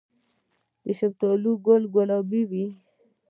د شفتالو ګل ګلابي وي؟